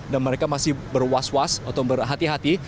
dan mereka masih berwas was atau berhati hati